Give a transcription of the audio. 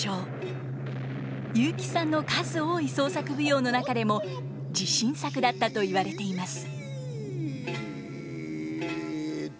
雄輝さんの数多い創作舞踊の中でも自信作だったと言われています。